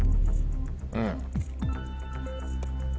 うん。